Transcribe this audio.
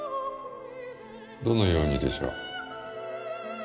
どのようにでしょう？